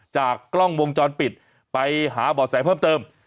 จากกล้องวงจรปิดไปหาบ่อแสเพิ่มเติม